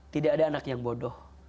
tidak ada anak yang bodoh